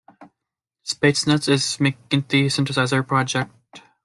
Space Nutz is McGinty synthesizer project.